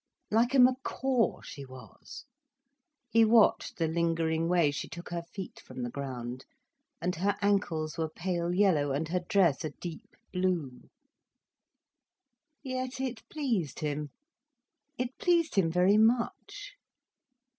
Like a macaw she was! He watched the lingering way she took her feet from the ground. And her ankles were pale yellow, and her dress a deep blue. Yet it pleased him. It pleased him very much.